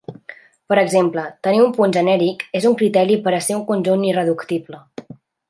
Per exemple, tenir un punt genèric és un criteri per a ser un conjunt irreductible.